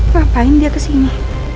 ngapain dia kesini